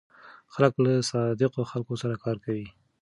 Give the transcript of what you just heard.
خلک له صادقو خلکو سره کار کوي.